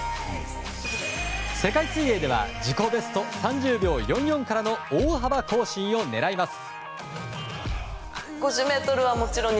世界水泳では自己ベスト、３０秒４４からの大幅更新を狙います。